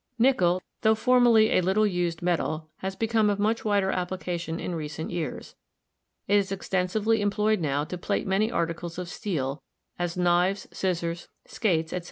Nickel, tho formerly a little used metal, has become of much wider application in recent years. It is extensively employed now to plate many articles of steel — as knives, scissors, skates, etc.